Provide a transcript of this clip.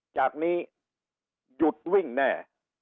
จากนี้หยุดวิ่งแน่